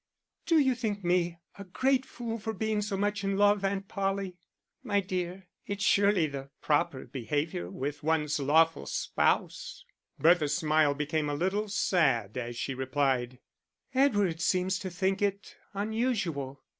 "Do you think me a great fool for being so much in love, Aunt Polly?" "My dear, it's surely the proper behaviour with one's lawful spouse." Bertha's smile became a little sad as she replied "Edward seems to think it unusual."